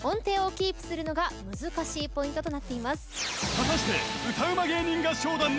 ［果たして］